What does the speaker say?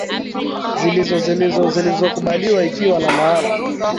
zilizo zilizo zilizo kubaliwa ikiwa na maana